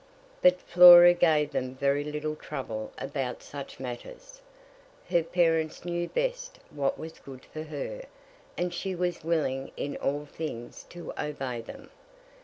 But Flora gave them very little trouble about such matters. Her parents knew best what was good for her, and she was willing in all things to obey them.